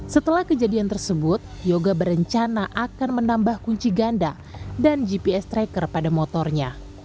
setelah kejadian tersebut yoga berencana akan menambah kunci ganda dan gps tracker pada motornya